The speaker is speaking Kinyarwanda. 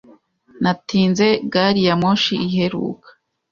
Natinze gari ya moshi iheruka.